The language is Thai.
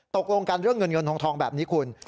ตกลงกันเรื่องเงินเงินทองแบบนี้คุณ